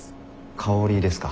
香りですか。